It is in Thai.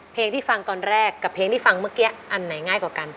เพลงที่ฟังตอนแรกกับเพลงที่ฟังเมื่อกี้อันไหนง่ายกว่ากัน